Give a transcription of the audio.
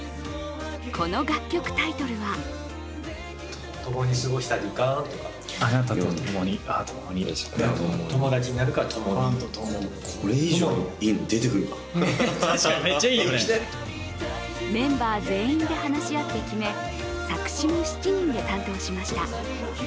この楽曲タイトルはメンバー全員で話し合って決め、作詞も７人で担当しました。